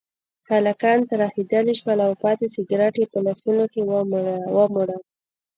هلکان ترهېدلي شول او پاتې سګرټ یې په لاسونو کې ومروړل.